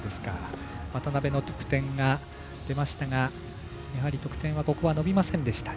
渡部の得点が出ましたがやはり得点はここは伸びませんでした。